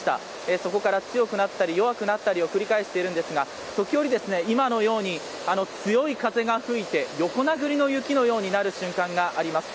そこから強くなったり弱くなったりを繰り返しているんですが時折、今のように強い風が吹いて横殴りの雪のようになる瞬間があります。